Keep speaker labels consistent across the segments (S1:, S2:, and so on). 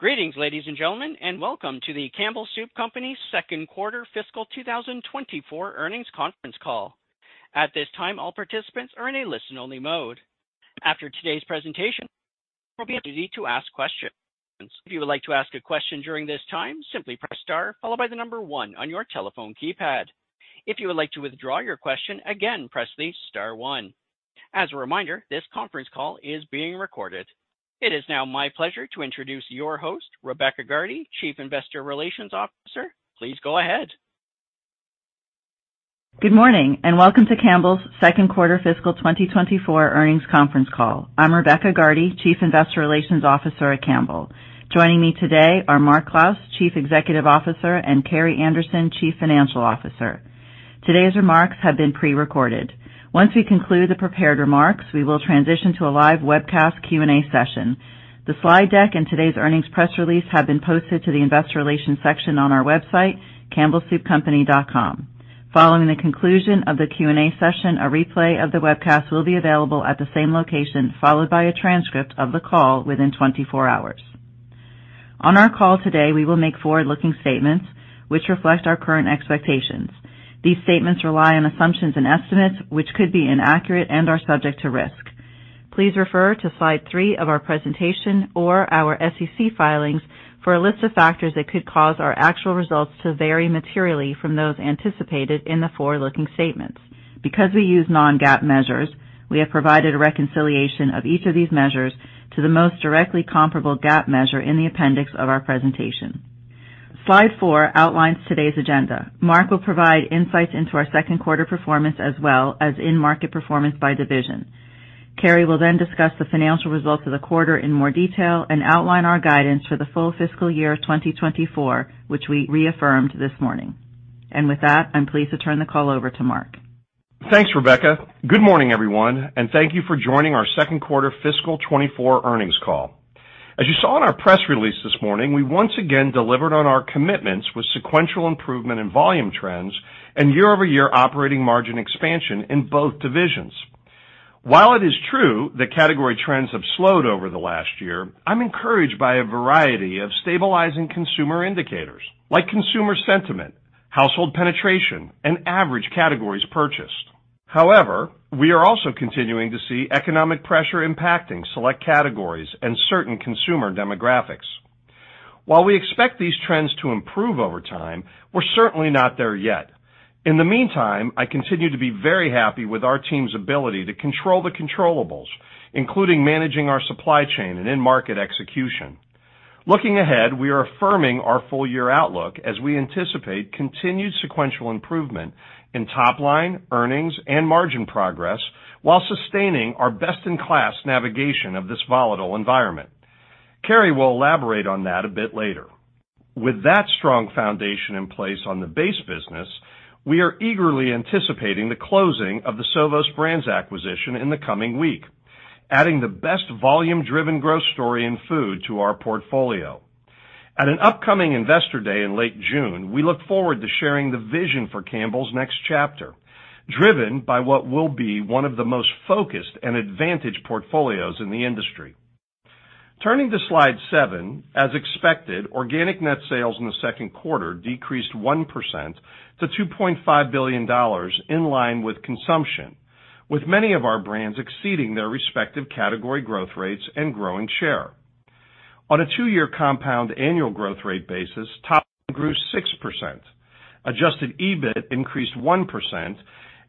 S1: Greetings, ladies and gentlemen, and welcome to the Campbell Soup Company's Second Quarter Fiscal 2024 Earnings Conference Call. At this time, all participants are in a listen-only mode. After today's presentation, you will be able to ask questions. If you would like to ask a question during this time, simply press star followed by the number one on your telephone keypad. If you would like to withdraw your question, again press the star one. As a reminder, this conference call is being recorded. It is now my pleasure to introduce your host, Rebecca Gardy, Chief Investor Relations Officer. Please go ahead.
S2: Good morning and welcome to Campbell's second quarter fiscal 2024 earnings conference call. I'm Rebecca Gardy, Chief Investor Relations Officer at Campbell. Joining me today are Mark Clouse, Chief Executive Officer, and Carrie Anderson, Chief Financial Officer. Today's remarks have been prerecorded. Once we conclude the prepared remarks, we will transition to a live webcast Q&A session. The slide deck and today's earnings press release have been posted to the Investor Relations section on our website, campbellsoupcompany.com. Following the conclusion of the Q&A session, a replay of the webcast will be available at the same location, followed by a transcript of the call within 24 hours. On our call today, we will make forward-looking statements which reflect our current expectations. These statements rely on assumptions and estimates which could be inaccurate and are subject to risk. Please refer to slide three of our presentation or our SEC filings for a list of factors that could cause our actual results to vary materially from those anticipated in the forward-looking statements. Because we use non-GAAP measures, we have provided a reconciliation of each of these measures to the most directly comparable GAAP measure in the appendix of our presentation. Slide four outlines today's agenda. Mark will provide insights into our second quarter performance as well as in-market performance by division. Carrie will then discuss the financial results of the quarter in more detail and outline our guidance for the full fiscal year 2024, which we reaffirmed this morning. With that, I'm pleased to turn the call over to Mark.
S3: Thanks, Rebecca. Good morning, everyone, and thank you for joining our second quarter fiscal 2024 earnings call. As you saw in our press release this morning, we once again delivered on our commitments with sequential improvement in volume trends and year-over-year operating margin expansion in both divisions. While it is true that category trends have slowed over the last year, I'm encouraged by a variety of stabilizing consumer indicators like consumer sentiment, household penetration, and average categories purchased. However, we are also continuing to see economic pressure impacting select categories and certain consumer demographics. While we expect these trends to improve over time, we're certainly not there yet. In the meantime, I continue to be very happy with our team's ability to control the controllables, including managing our supply chain and in-market execution. Looking ahead, we are affirming our full-year outlook as we anticipate continued sequential improvement in top-line earnings and margin progress while sustaining our best-in-class navigation of this volatile environment. Carrie will elaborate on that a bit later. With that strong foundation in place on the base business, we are eagerly anticipating the closing of the Sovos Brands acquisition in the coming week, adding the best volume-driven growth story in food to our portfolio. At an upcoming Investor Day in late June, we look forward to sharing the vision for Campbell's next chapter, driven by what will be one of the most focused and advantaged portfolios in the industry. Turning to slide seven, as expected, organic net sales in the second quarter decreased 1% to $2.5 billion in line with consumption, with many of our brands exceeding their respective category growth rates and growing share. On a 2-year compound annual growth rate basis, top-line grew 6%, Adjusted EBIT increased 1%,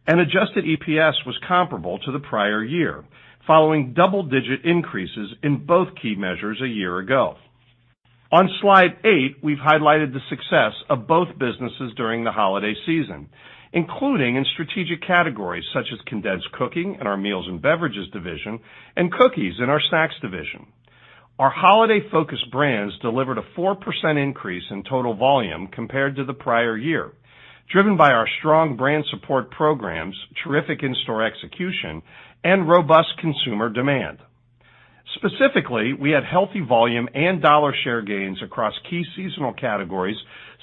S3: and Adjusted EPS was comparable to the prior year, following double-digit increases in both key measures a year ago. On slide eight, we've highlighted the success of both businesses during the holiday season, including in strategic categories such as Condensed Cooking in our Meals & Beverages division and cookies in our Snacks division. Our holiday-focused brands delivered a 4% increase in total volume compared to the prior year, driven by our strong brand support programs, terrific in-store execution, and robust consumer demand. Specifically, we had healthy volume and dollar-share gains across key seasonal categories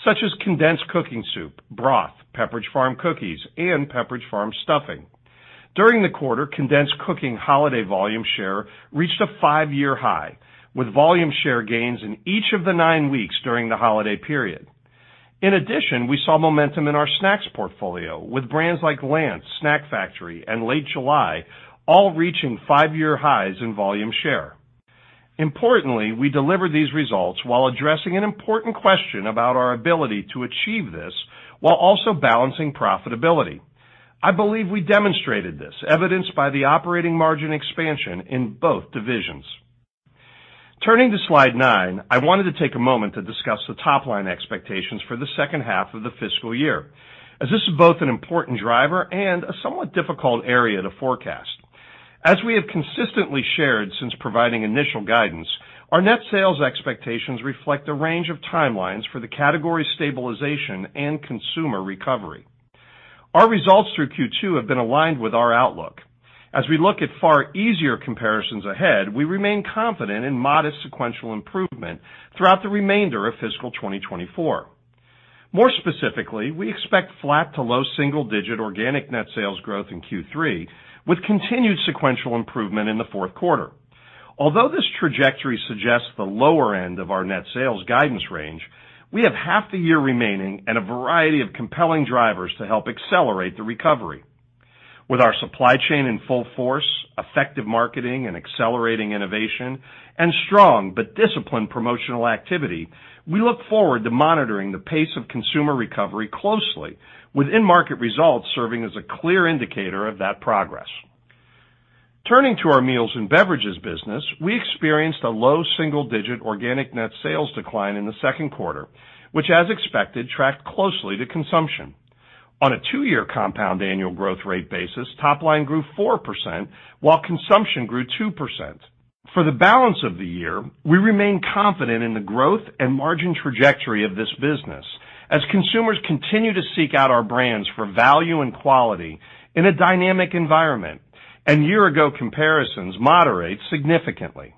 S3: such as Condensed Cooking soup, broth, Pepperidge Farm cookies, and Pepperidge Farm stuffing. During the quarter, Condensed Cooking holiday volume share reached a 5-year high, with volume share gains in each of the 9 weeks during the holiday period. In addition, we saw momentum in our snacks portfolio, with brands like Lance, Snack Factory, and Late July all reaching five-year highs in volume share. Importantly, we delivered these results while addressing an important question about our ability to achieve this while also balancing profitability. I believe we demonstrated this, evidenced by the operating margin expansion in both divisions. Turning to slide nine, I wanted to take a moment to discuss the top-line expectations for the second half of the fiscal year, as this is both an important driver and a somewhat difficult area to forecast. As we have consistently shared since providing initial guidance, our net sales expectations reflect a range of timelines for the category stabilization and consumer recovery. Our results through Q2 have been aligned with our outlook. As we look at far easier comparisons ahead, we remain confident in modest sequential improvement throughout the remainder of fiscal 2024. More specifically, we expect flat to low single-digit organic net sales growth in Q3, with continued sequential improvement in the fourth quarter. Although this trajectory suggests the lower end of our net sales guidance range, we have half the year remaining and a variety of compelling drivers to help accelerate the recovery. With our supply chain in full force, effective marketing and accelerating innovation, and strong but disciplined promotional activity, we look forward to monitoring the pace of consumer recovery closely, with in-market results serving as a clear indicator of that progress. Turning to our Meals & Beverages business, we experienced a low single-digit organic net sales decline in the second quarter, which, as expected, tracked closely to consumption. On a 2-year compound annual growth rate basis, top-line grew 4% while consumption grew 2%. For the balance of the year, we remain confident in the growth and margin trajectory of this business as consumers continue to seek out our brands for value and quality in a dynamic environment, and year-ago comparisons moderate significantly.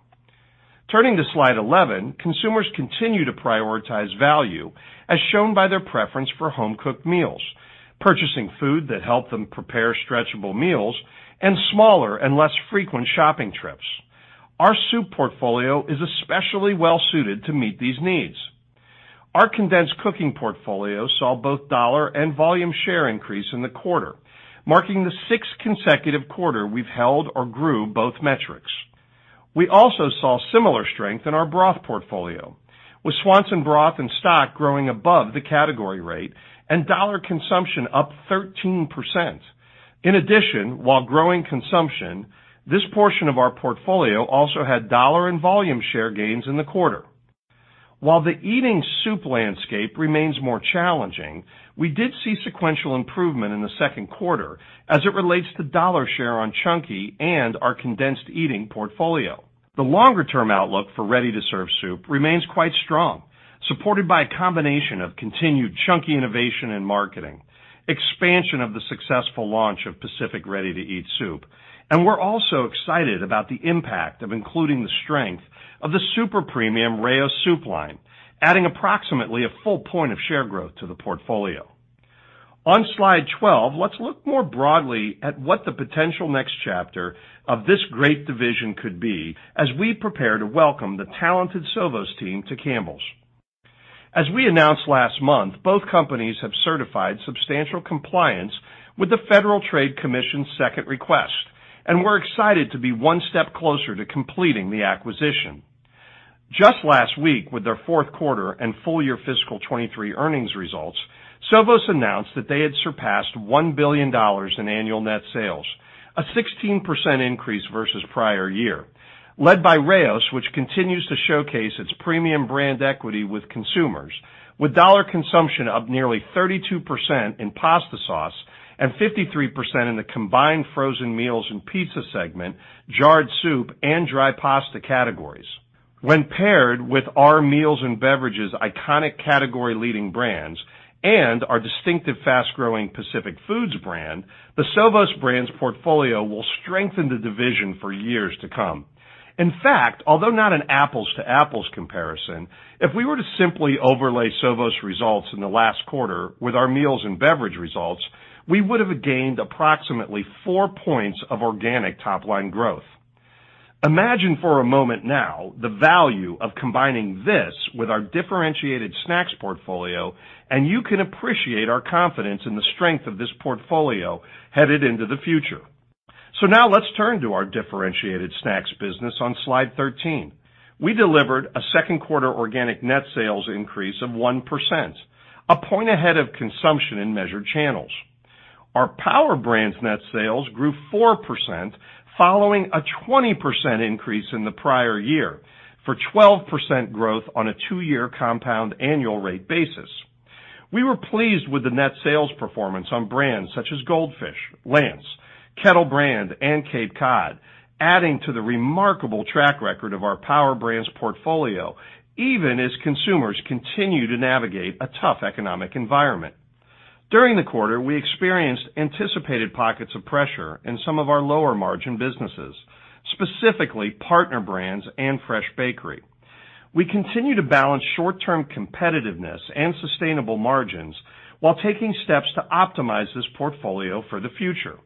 S3: Turning to slide 11, consumers continue to prioritize value, as shown by their preference for home-cooked meals, purchasing food that help them prepare stretchable meals, and smaller and less frequent shopping trips. Our soup portfolio is especially well-suited to meet these needs. Our Condensed Cooking portfolio saw both dollar and volume share increase in the quarter, marking the sixth consecutive quarter we've held or grew both metrics. We also saw similar strength in our broth portfolio, with Swanson broth and stock growing above the category rate and dollar consumption up 13%. In addition, while growing consumption, this portion of our portfolio also had dollar and volume share gains in the quarter. While the eating soup landscape remains more challenging, we did see sequential improvement in the second quarter as it relates to dollar share on Chunky and our Condensed Eating portfolio. The longer-term outlook for ready-to-serve soup remains quite strong, supported by a combination of continued Chunky innovation in marketing, expansion of the successful launch of Pacific ready-to-eat soup, and we're also excited about the impact of including the strength of the super premium Rao's soup line, adding approximately a full point of share growth to the portfolio. On slide 12, let's look more broadly at what the potential next chapter of this great division could be as we prepare to welcome the talented Sovos team to Campbell's. As we announced last month, both companies have certified substantial compliance with the Federal Trade Commission's second request, and we're excited to be one step closer to completing the acquisition. Just last week, with their fourth quarter and full-year fiscal 2023 earnings results, Sovos announced that they had surpassed $1 billion in annual net sales, a 16% increase versus prior year, led by Rao's, which continues to showcase its premium brand equity with consumers, with dollar consumption up nearly 32% in pasta sauce and 53% in the combined frozen Meals & Pizza segment, jarred soup, and dry pasta categories. When paired with our Meals & Beverages' iconic category-leading brands and our distinctive fast-growing Pacific Foods brand, the Sovos brands portfolio will strengthen the division for years to come. In fact, although not an apples-to-apples comparison, if we were to simply overlay Sovos's results in the last quarter with our Meals & Beverage results, we would have gained approximately 4 points of organic top-line growth. Imagine for a moment now the value of combining this with our differentiated snacks portfolio, and you can appreciate our confidence in the strength of this portfolio headed into the future. So now let's turn to our differentiated Snacks business on slide 13. We delivered a second quarter organic net sales increase of 1%, a point ahead of consumption in measured channels. Our Power Brands' net sales grew 4% following a 20% increase in the prior year for 12% growth on a two-year compound annual rate basis. We were pleased with the net sales performance on brands such as Goldfish, Lance, Kettle Brand, and Cape Cod, adding to the remarkable track record of our Power Brands portfolio even as consumers continue to navigate a tough economic environment. During the quarter, we experienced anticipated pockets of pressure in some of our lower-margin businesses, specifically partner brands and fresh bakery. We continue to balance short-term competitiveness and sustainable margins while taking steps to optimize this portfolio for the future.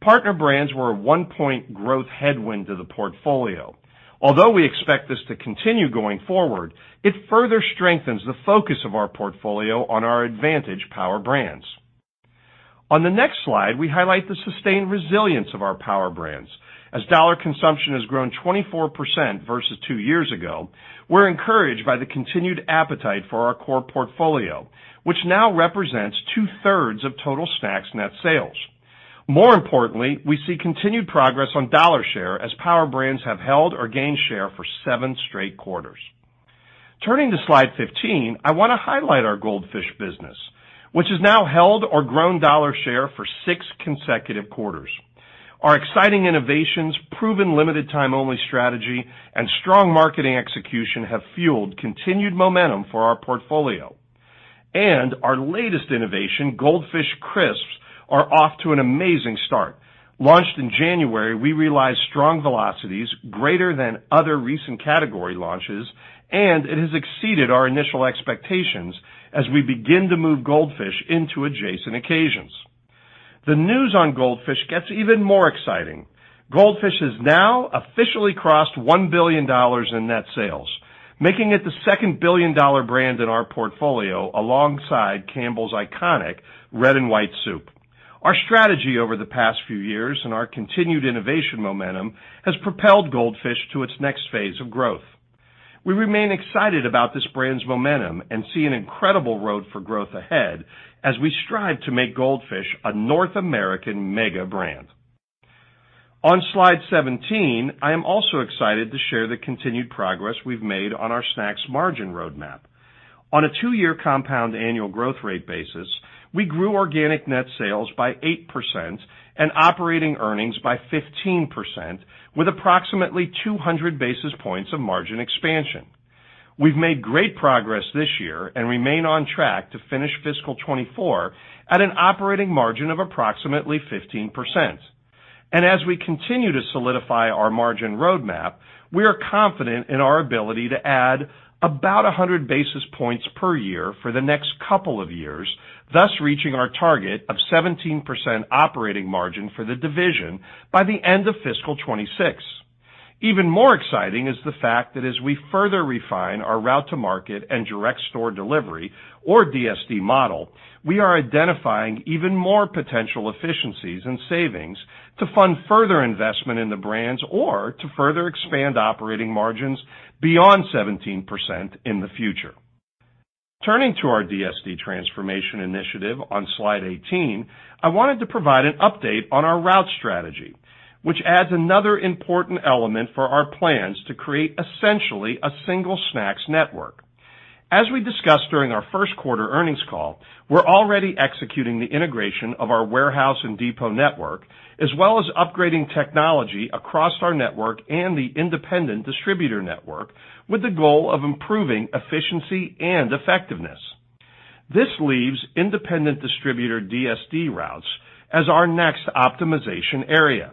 S3: Partner brands were a one-point growth headwind to the portfolio. Although we expect this to continue going forward, it further strengthens the focus of our portfolio on our advantaged Power Brands. On the next slide, we highlight the sustained resilience of our Power Brands. As dollar consumption has grown 24% versus 2 years ago, we're encouraged by the continued appetite for our core portfolio, which now represents two-thirds of total snacks net sales. More importantly, we see continued progress on dollar share as Power Brands have held or gained share for 7 straight quarters. Turning to slide 15, I want to highlight our Goldfish business, which has now held or grown dollar share for 6 consecutive quarters. Our exciting innovations, proven limited-time-only strategy, and strong marketing execution have fueled continued momentum for our portfolio. And our latest innovation, Goldfish Crisps, are off to an amazing start. Launched in January, we realized strong velocities greater than other recent category launches, and it has exceeded our initial expectations as we begin to move Goldfish into adjacent occasions. The news on Goldfish gets even more exciting. Goldfish has now officially crossed $1 billion in net sales, making it the second billion-dollar brand in our portfolio alongside Campbell's iconic red-and-white soup. Our strategy over the past few years and our continued innovation momentum have propelled Goldfish to its next phase of growth. We remain excited about this brand's momentum and see an incredible road for growth ahead as we strive to make Goldfish a North American mega brand. On slide 17, I am also excited to share the continued progress we've made on our snacks margin roadmap. On a two-year compound annual growth rate basis, we grew organic net sales by 8% and operating earnings by 15%, with approximately 200 basis points of margin expansion. We've made great progress this year and remain on track to finish fiscal 2024 at an operating margin of approximately 15%. As we continue to solidify our margin roadmap, we are confident in our ability to add about 100 basis points per year for the next couple of years, thus reaching our target of 17% operating margin for the division by the end of fiscal 2026. Even more exciting is the fact that as we further refine our route-to-market and direct-store delivery, or DSD, model, we are identifying even more potential efficiencies and savings to fund further investment in the brands or to further expand operating margins beyond 17% in the future. Turning to our DSD transformation initiative on slide 18, I wanted to provide an update on our route strategy, which adds another important element for our plans to create essentially a single snacks network. As we discussed during our first quarter earnings call, we're already executing the integration of our warehouse and depot network as well as upgrading technology across our network and the independent distributor network with the goal of improving efficiency and effectiveness. This leaves independent distributor DSD routes as our next optimization area.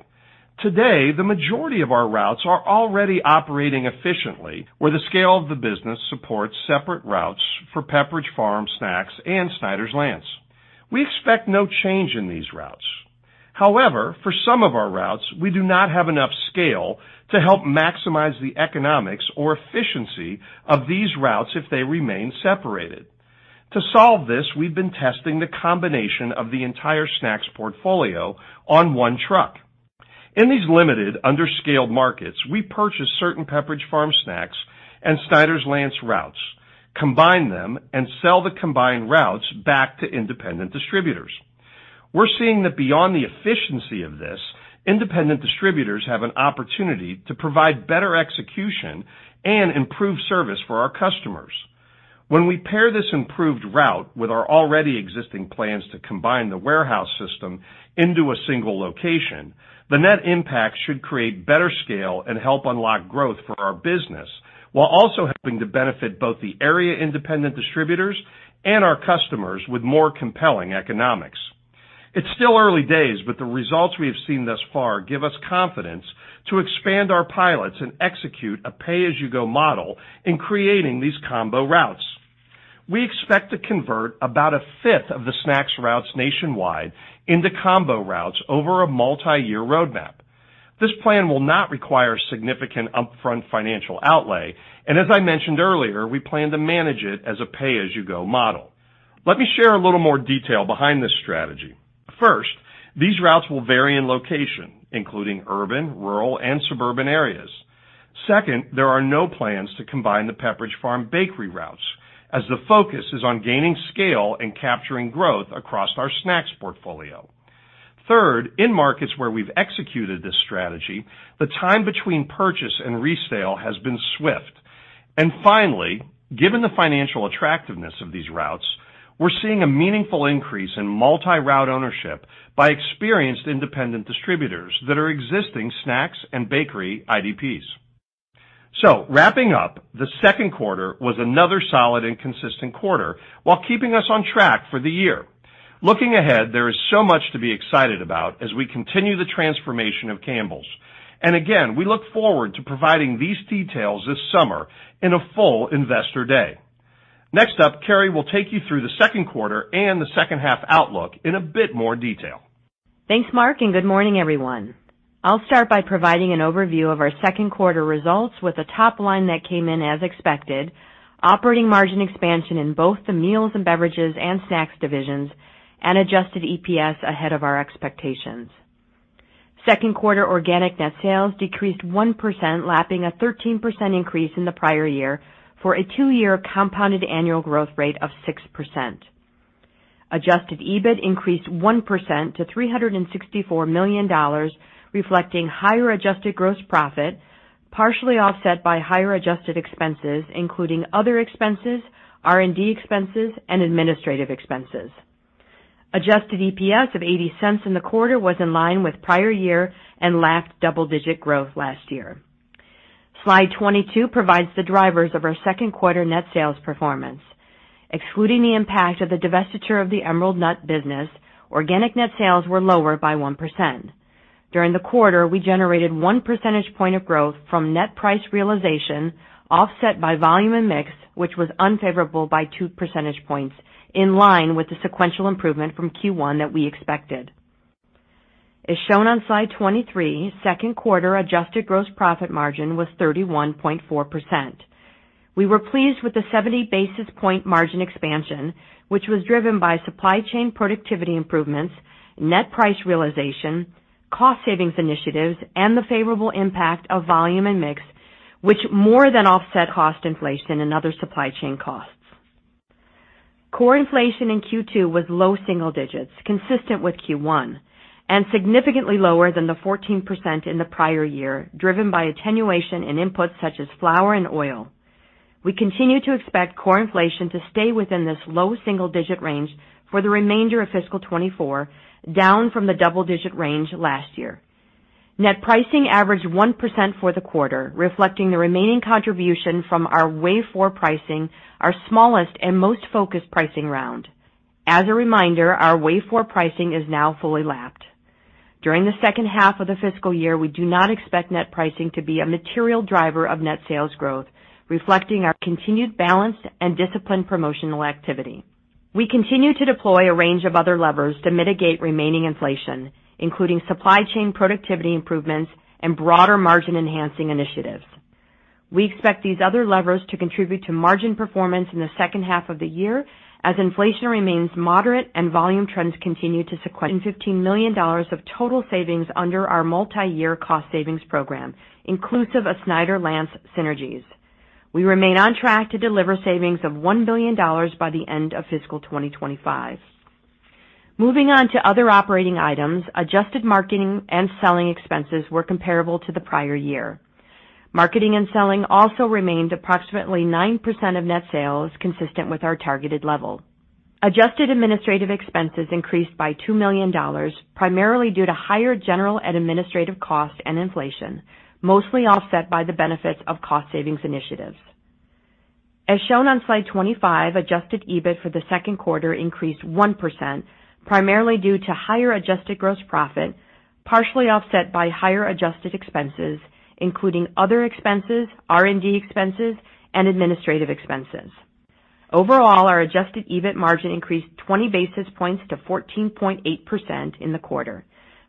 S3: Today, the majority of our routes are already operating efficiently, where the scale of the business supports separate routes for Pepperidge Farm snacks and Snyder's-Lance. We expect no change in these routes. However, for some of our routes, we do not have enough scale to help maximize the economics or efficiency of these routes if they remain separated. To solve this, we've been testing the combination of the entire snacks portfolio on one truck. In these limited, underscaled markets, we purchase certain Pepperidge Farm snacks and Snyder's-Lance routes, combine them, and sell the combined routes back to independent distributors. We're seeing that beyond the efficiency of this, independent distributors have an opportunity to provide better execution and improved service for our customers. When we pair this improved route with our already existing plans to combine the warehouse system into a single location, the net impact should create better scale and help unlock growth for our business while also helping to benefit both the area independent distributors and our customers with more compelling economics. It's still early days, but the results we have seen thus far give us confidence to expand our pilots and execute a pay-as-you-go model in creating these combo routes. We expect to convert about a fifth of the snacks routes nationwide into combo routes over a multi-year roadmap. This plan will not require significant upfront financial outlay, and as I mentioned earlier, we plan to manage it as a pay-as-you-go model. Let me share a little more detail behind this strategy. First, these routes will vary in location, including urban, rural, and suburban areas. Second, there are no plans to combine the Pepperidge Farm bakery routes as the focus is on gaining scale and capturing growth across our snacks portfolio. Third, in markets where we've executed this strategy, the time between purchase and resale has been swift. And finally, given the financial attractiveness of these routes, we're seeing a meaningful increase in multi-route ownership by experienced independent distributors that are existing snacks and bakery IDPs. So wrapping up, the second quarter was another solid and consistent quarter while keeping us on track for the year. Looking ahead, there is so much to be excited about as we continue the transformation of Campbell's. And again, we look forward to providing these details this summer in a full investor day. Next up, Carrie will take you through the second quarter and the second-half outlook in a bit more detail.
S4: Thanks, Mark, and good morning, everyone. I'll start by providing an overview of our second quarter results with a top line that came in as expected: operating margin expansion in both the Meals & Beverages and Snacks divisions, and adjusted EPS ahead of our expectations. Second quarter organic net sales decreased 1%, lapping a 13% increase in the prior year for a two-year compounded annual growth rate of 6%. Adjusted EBIT increased 1% to $364 million, reflecting higher adjusted gross profit, partially offset by higher adjusted expenses including other expenses, R&D expenses, and administrative expenses. Adjusted EPS of $0.80 in the quarter was in line with prior year and lacked double-digit growth last year. Slide 22 provides the drivers of our second quarter net sales performance. Excluding the impact of the divestiture of the Emerald Nuts business, organic net sales were lower by 1%. During the quarter, we generated 1 percentage point of growth from net price realization offset by volume and mix, which was unfavorable by 2 percentage points, in line with the sequential improvement from Q1 that we expected. As shown on slide 23, second quarter adjusted gross profit margin was 31.4%. We were pleased with the 70 basis points margin expansion, which was driven by supply chain productivity improvements, net price realization, cost savings initiatives, and the favorable impact of volume and mix, which more than offset cost inflation and other supply chain costs. Core inflation in Q2 was low single digits, consistent with Q1, and significantly lower than the 14% in the prior year, driven by attenuation in inputs such as flour and oil. We continue to expect core inflation to stay within this low single digit range for the remainder of fiscal 2024, down from the double-digit range last year. Net pricing averaged 1% for the quarter, reflecting the remaining contribution from our wave four pricing, our smallest and most focused pricing round. As a reminder, our wave four pricing is now fully lapped. During the second half of the fiscal year, we do not expect net pricing to be a material driver of net sales growth, reflecting our continued balanced and disciplined promotional activity. We continue to deploy a range of other levers to mitigate remaining inflation, including supply chain productivity improvements and broader margin-enhancing initiatives. We expect these other levers to contribute to margin performance in the second half of the year as inflation remains moderate and volume trends continue to sequence. $15 million of total savings under our multi-year cost savings program, inclusive of Snyder's-Lance synergies. We remain on track to deliver savings of $1 billion by the end of fiscal 2025. Moving on to other operating items, adjusted marketing and selling expenses were comparable to the prior year. Marketing and selling also remained approximately 9% of net sales, consistent with our targeted level. Adjusted administrative expenses increased by $2 million, primarily due to higher general and administrative costs and inflation, mostly offset by the benefits of cost savings initiatives. As shown on slide 25, adjusted EBIT for the second quarter increased 1%, primarily due to higher adjusted gross profit, partially offset by higher adjusted expenses, including other expenses, R&D expenses, and administrative expenses. Overall, our adjusted EBIT margin increased 20 basis points to 14.8% in the quarter,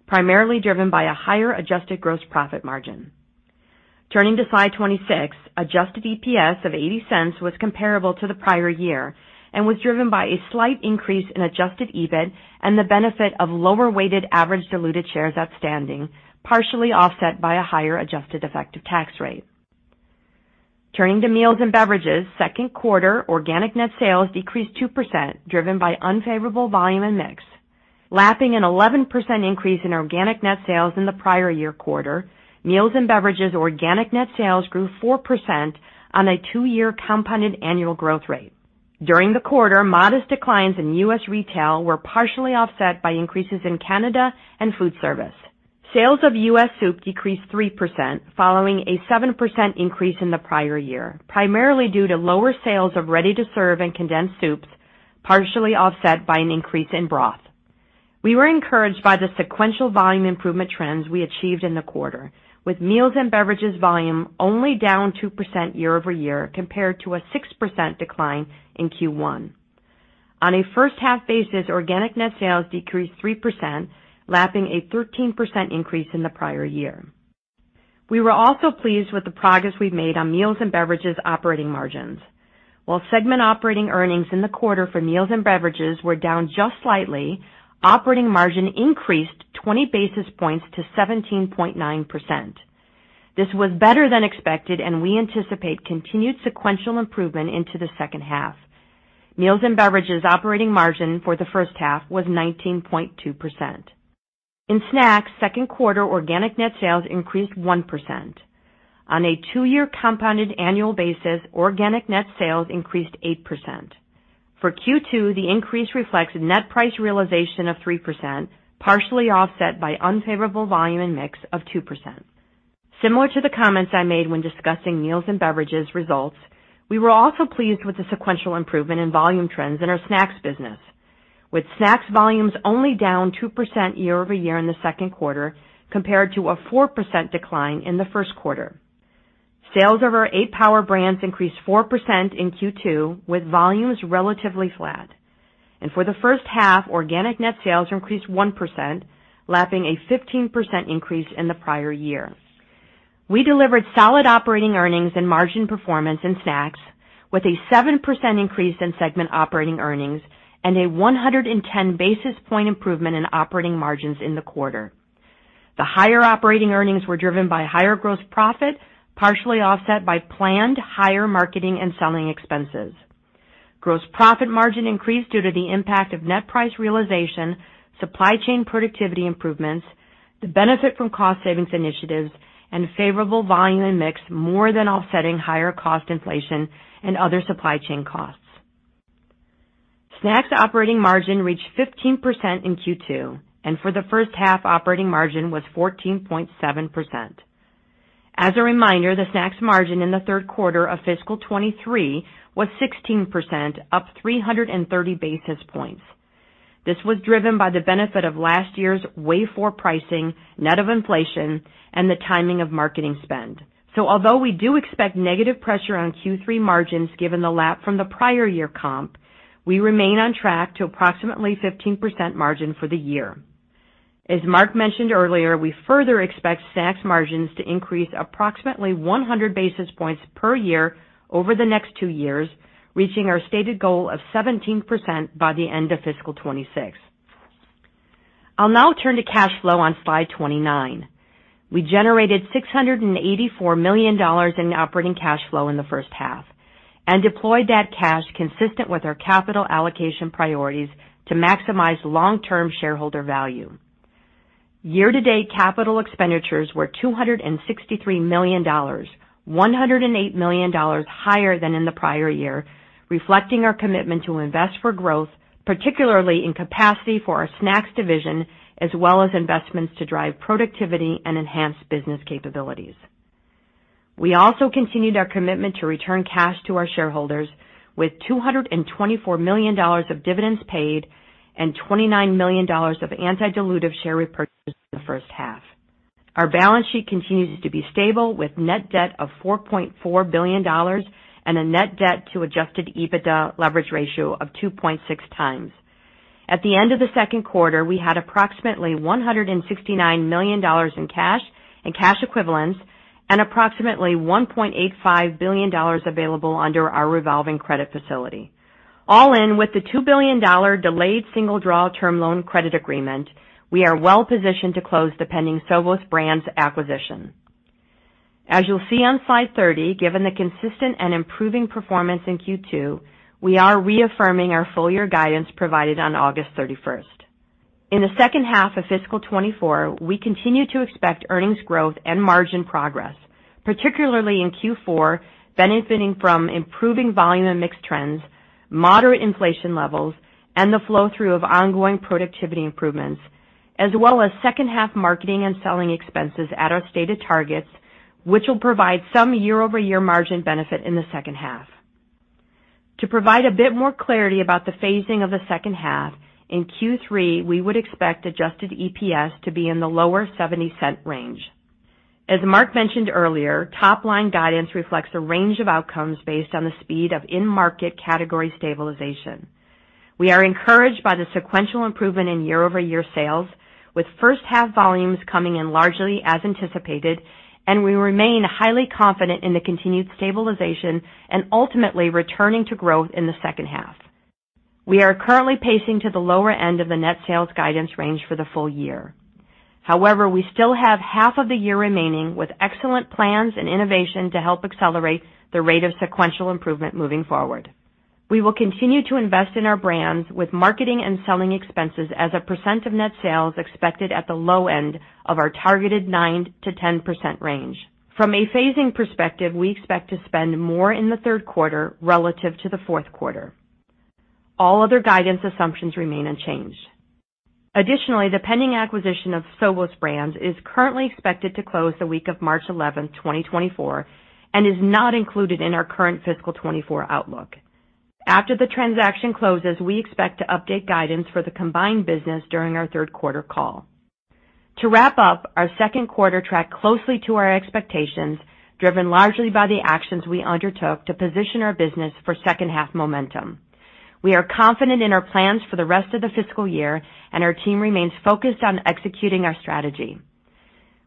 S4: primarily driven by a higher adjusted gross profit margin. Turning to slide 26, adjusted EPS of $0.80 was comparable to the prior year and was driven by a slight increase in adjusted EBIT and the benefit of lower-weighted average diluted shares outstanding, partially offset by a higher adjusted effective tax rate. Turning to Meals & Beverages, second quarter organic net sales decreased 2%, driven by unfavorable volume and mix, lapping an 11% increase in organic net sales in the prior year quarter. Meals & Beverages organic net sales grew 4% on a two-year compounded annual growth rate. During the quarter, modest declines in U.S. retail were partially offset by increases in Canada and Foodservice. Sales of U.S. soup decreased 3% following a 7% increase in the prior year, primarily due to lower sales of ready-to-serve and condensed soups, partially offset by an increase in broth. We were encouraged by the sequential volume improvement trends we achieved in the quarter, with Meals & Beverages volume only down 2% year-over-year compared to a 6% decline in Q1. On a first-half basis, organic net sales decreased 3%, lapping a 13% increase in the prior year. We were also pleased with the progress we've made on Meals & Beverages operating margins. While segment operating earnings in the quarter for Meals & Beverages were down just slightly, operating margin increased 20 basis points to 17.9%. This was better than expected, and we anticipate continued sequential improvement into the second half. Meals & Beverages operating margin for the first half was 19.2%. In snacks, second quarter organic net sales increased 1%. On a two-year compounded annual basis, organic net sales increased 8%. For Q2, the increase reflects net price realization of 3%, partially offset by unfavorable volume and mix of 2%. Similar to the comments I made when discussing Meals & Beverages results, we were also pleased with the sequential improvement in volume trends in our Snacks business, with snacks volumes only down 2% year-over-year in the second quarter compared to a 4% decline in the first quarter. Sales of our eight Power Brands increased 4% in Q2, with volumes relatively flat. For the first half, organic net sales increased 1%, lapping a 15% increase in the prior year. We delivered solid operating earnings and margin performance in snacks, with a 7% increase in segment operating earnings and a 110 basis points improvement in operating margins in the quarter. The higher operating earnings were driven by higher gross profit, partially offset by planned higher marketing and selling expenses. Gross profit margin increased due to the impact of net price realization, supply chain productivity improvements, the benefit from cost savings initiatives, and favorable volume and mix, more than offsetting higher cost inflation and other supply chain costs. Snacks operating margin reached 15% in Q2, and for the first half, operating margin was 14.7%. As a reminder, the snacks margin in the third quarter of fiscal 2023 was 16%, up 330 basis points. This was driven by the benefit of last year's wave four pricing, net of inflation, and the timing of marketing spend. So although we do expect negative pressure on Q3 margins given the lap from the prior year comp, we remain on track to approximately 15% margin for the year. As Mark mentioned earlier, we further expect snacks margins to increase approximately 100 basis points per year over the next two years, reaching our stated goal of 17% by the end of fiscal 2026. I'll now turn to cash flow on slide 29. We generated $684 million in operating cash flow in the first half and deployed that cash consistent with our capital allocation priorities to maximize long-term shareholder value. Year-to-date, capital expenditures were $263 million, $108 million higher than in the prior year, reflecting our commitment to invest for growth, particularly in capacity for our Snacks division as well as investments to drive productivity and enhance business capabilities. We also continued our commitment to return cash to our shareholders, with $224 million of dividends paid and $29 million of anti-dilutive share repurchased in the first half. Our balance sheet continues to be stable, with net debt of $4.4 billion and a net debt-to-adjusted EBITDA leverage ratio of 2.6x. At the end of the second quarter, we had approximately $169 million in cash and cash equivalents and approximately $1.85 billion available under our revolving credit facility. All in, with the $2 billion delayed single-draw term loan credit agreement, we are well positioned to close the pending Sovos Brands acquisition. As you'll see on slide 30, given the consistent and improving performance in Q2, we are reaffirming our full-year guidance provided on August 31st. In the second half of fiscal 2024, we continue to expect earnings growth and margin progress, particularly in Q4 benefiting from improving volume and mix trends, moderate inflation levels, and the flow-through of ongoing productivity improvements, as well as second-half marketing and selling expenses at our stated targets, which will provide some year-over-year margin benefit in the second half. To provide a bit more clarity about the phasing of the second half, in Q3, we would expect Adjusted EPS to be in the lower $0.70 range. As Mark mentioned earlier, top line guidance reflects a range of outcomes based on the speed of in-market category stabilization. We are encouraged by the sequential improvement in year-over-year sales, with first-half volumes coming in largely as anticipated, and we remain highly confident in the continued stabilization and ultimately returning to growth in the second half. We are currently pacing to the lower end of the net sales guidance range for the full year. However, we still have half of the year remaining with excellent plans and innovation to help accelerate the rate of sequential improvement moving forward. We will continue to invest in our brands, with marketing and selling expenses as a percent of net sales expected at the low end of our targeted 9%-10% range. From a phasing perspective, we expect to spend more in the third quarter relative to the fourth quarter. All other guidance assumptions remain unchanged. Additionally, the pending acquisition of Sovos Brands is currently expected to close the week of March 11th, 2024, and is not included in our current fiscal 2024 outlook. After the transaction closes, we expect to update guidance for the combined business during our third quarter call. To wrap up, our second quarter tracked closely to our expectations, driven largely by the actions we undertook to position our business for second-half momentum. We are confident in our plans for the rest of the fiscal year, and our team remains focused on executing our strategy.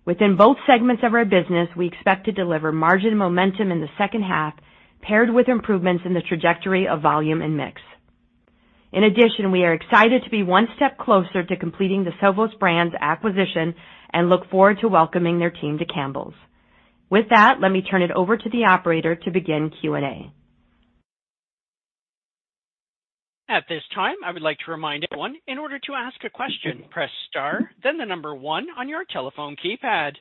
S4: Within both segments of our business, we expect to deliver margin momentum in the second half, paired with improvements in the trajectory of volume and mix. In addition, we are excited to be one step closer to completing the Sovos Brands acquisition and look forward to welcoming their team to Campbell's. With that, let me turn it over to the operator to begin Q&A.
S1: At this time, I would like to remind everyone, in order to ask a question, press star, then the number one on your telephone keypad.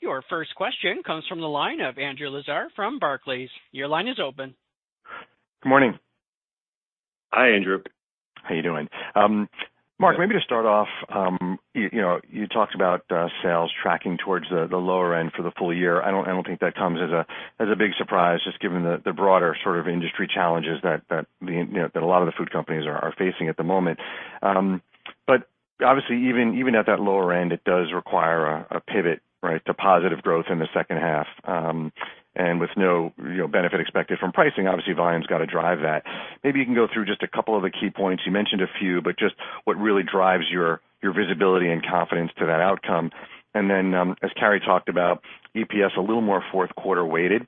S1: Your first question comes from the line of Andrew Lazar from Barclays. Your line is open.
S5: Good morning.
S3: Hi, Andrew. How you doing?
S5: Mark, maybe to start off, you talked about sales tracking towards the lower end for the full year. I don't think that comes as a big surprise, just given the broader sort of industry challenges that a lot of the food companies are facing at the moment. But obviously, even at that lower end, it does require a pivot, right, to positive growth in the second half. And with no benefit expected from pricing, obviously, volume's got to drive that. Maybe you can go through just a couple of the key points. You mentioned a few, but just what really drives your visibility and confidence to that outcome. And then, as Carrie talked about, EPS a little more fourth-quarter weighted,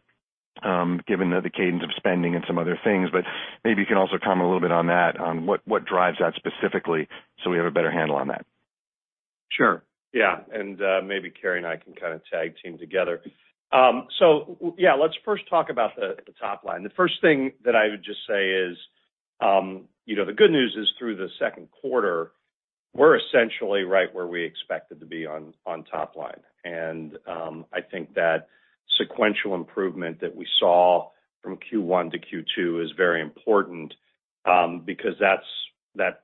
S5: given the cadence of spending and some other things. But maybe you can also comment a little bit on that, on what drives that specifically, so we have a better handle on that.
S3: Sure. Yeah. And maybe Carrie and I can kind of tag team together. So yeah, let's first talk about the top line. The first thing that I would just say is the good news is through the second quarter, we're essentially right where we expected to be on top line. And I think that sequential improvement that we saw from Q1 to Q2 is very important because that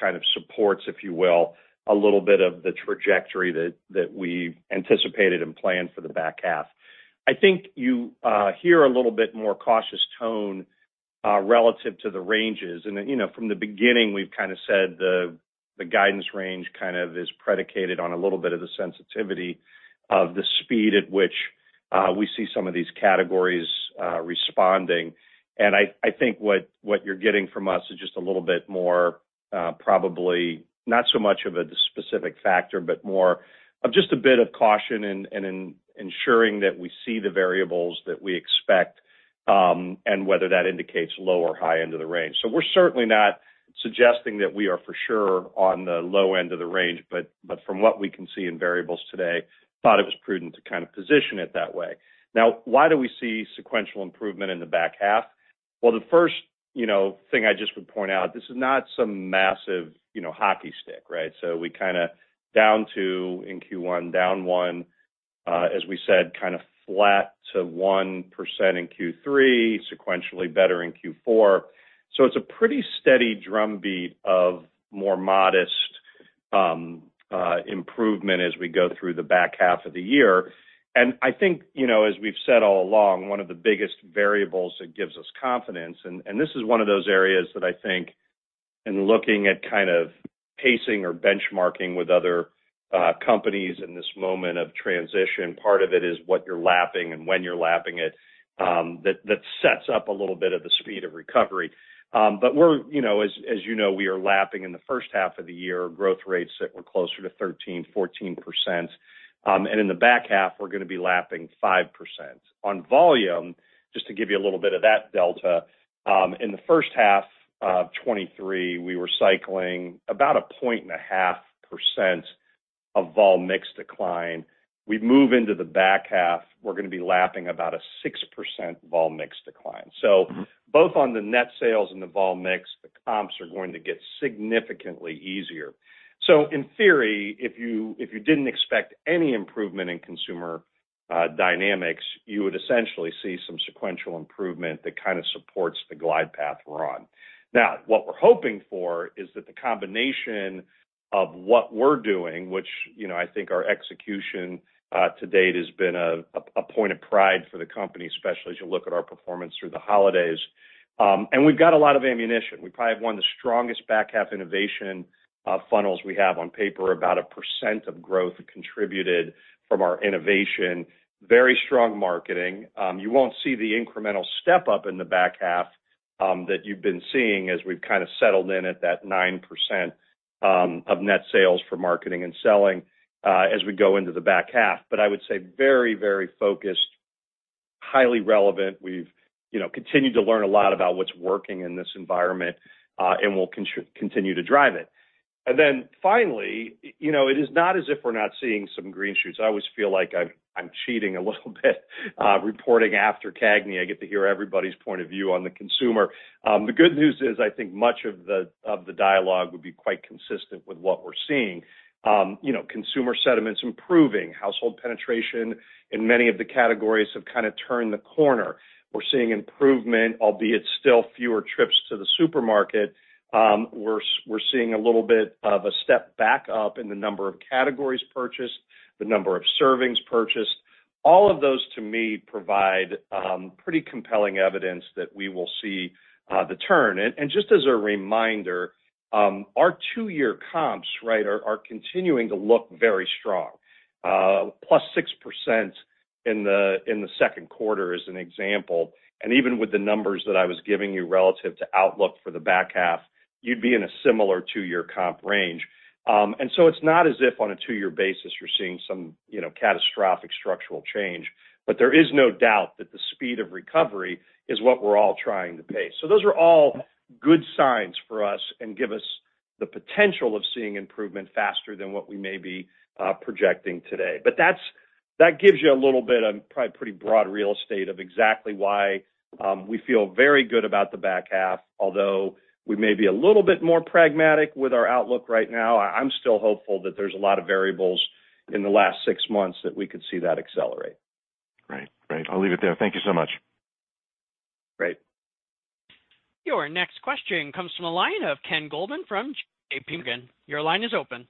S3: kind of supports, if you will, a little bit of the trajectory that we anticipated and planned for the back half. I think you hear a little bit more cautious tone relative to the ranges. From the beginning, we've kind of said the guidance range kind of is predicated on a little bit of the sensitivity of the speed at which we see some of these categories responding. I think what you're getting from us is just a little bit more, probably not so much of a specific factor, but more of just a bit of caution and ensuring that we see the variables that we expect and whether that indicates low or high end of the range. So we're certainly not suggesting that we are for sure on the low end of the range, but from what we can see in variables today, thought it was prudent to kind of position it that way. Now, why do we see sequential improvement in the back half? Well, the first thing I just would point out, this is not some massive hockey stick, right? So we kind of down 2 in Q1, down 1, as we said, kind of flat to 1% in Q3, sequentially better in Q4. So it's a pretty steady drumbeat of more modest improvement as we go through the back half of the year. And I think, as we've said all along, one of the biggest variables that gives us confidence and this is one of those areas that I think, in looking at kind of pacing or benchmarking with other companies in this moment of transition, part of it is what you're lapping and when you're lapping it that sets up a little bit of the speed of recovery. But as you know, we are lapping in the first half of the year, growth rates that were closer to 13, 14%. And in the back half, we're going to be lapping 5%. On volume, just to give you a little bit of that delta, in the first half of 2023, we were cycling about 1.5% volume mix decline. We move into the back half, we're going to be lapping about a 6% volume mix decline. So both on the net sales and the volume mix, the comps are going to get significantly easier. So in theory, if you didn't expect any improvement in consumer dynamics, you would essentially see some sequential improvement that kind of supports the glide path we're on. Now, what we're hoping for is that the combination of what we're doing, which I think our execution to date has been a point of pride for the company, especially as you look at our performance through the holidays. And we've got a lot of ammunition. We probably have one of the strongest back-half innovation funnels we have on paper, about 1% of growth contributed from our innovation. Very strong marketing. You won't see the incremental step-up in the back half that you've been seeing as we've kind of settled in at that 9% of net sales for marketing and selling as we go into the back half. But I would say very, very focused, highly relevant. We've continued to learn a lot about what's working in this environment and will continue to drive it. And then finally, it is not as if we're not seeing some green shoots. I always feel like I'm cheating a little bit. Reporting after CAGNY, I get to hear everybody's point of view on the consumer. The good news is, I think, much of the dialogue would be quite consistent with what we're seeing. Consumer sentiment's improving. Household penetration in many of the categories have kind of turned the corner. We're seeing improvement, albeit still fewer trips to the supermarket. We're seeing a little bit of a step back up in the number of categories purchased, the number of servings purchased. All of those, to me, provide pretty compelling evidence that we will see the turn. And just as a reminder, our two-year comps, right, are continuing to look very strong. +6% in the second quarter is an example. And even with the numbers that I was giving you relative to outlook for the back half, you'd be in a similar two-year comp range. And so it's not as if on a two-year basis, you're seeing some catastrophic structural change. But there is no doubt that the speed of recovery is what we're all trying to pace. So those are all good signs for us and give us the potential of seeing improvement faster than what we may be projecting today. But that gives you a little bit of probably pretty broad real estate of exactly why we feel very good about the back half, although we may be a little bit more pragmatic with our outlook right now. I'm still hopeful that there's a lot of variables in the last six months that we could see that accelerate.
S5: Right. Right. I'll leave it there. Thank you so much.
S3: Great.
S1: Your next question comes from the line of Ken Goldman from JPMorgan. Your line is open.